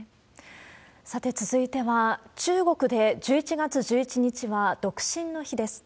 さて、続いては、中国で１１月１１日は独身の日です。